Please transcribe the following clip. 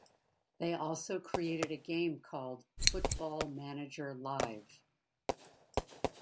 They also created a game called Football Manager Live.